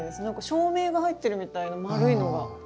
照明が入ってるみたいな丸いのが。